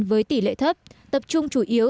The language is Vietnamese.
với tỷ lệ thấp tập trung chủ yếu